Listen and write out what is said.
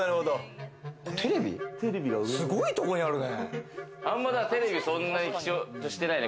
テレビ、すごいところにあるね。